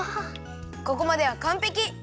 ここまではかんぺき！